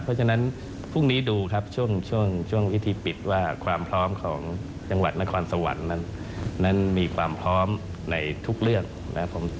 เพราะเราเชื่อว่ายังไงเราก็มีความเป็นทีมกัน